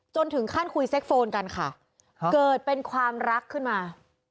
จนถึงขั้นคุยเซ็กโฟนกันค่ะเกิดเป็นความรักขึ้นมา